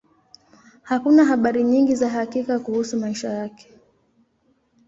Hakuna habari nyingi za hakika kuhusu maisha yake.